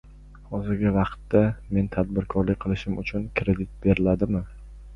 Hozirgi vaqtda menga tadbirkorlik qilishim uchun kredit beriladimi?